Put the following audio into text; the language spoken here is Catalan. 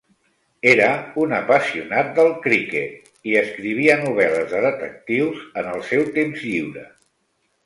Era un apassionat del criquet i escrivia novel·les de detectius en el seu temps lliure.